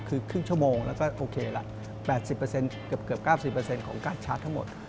คือครึ่งชั่วโมงแล้วก็โอเคละ๘๐เกือบ๙๐ของการ์ชาร์จทั้งหมด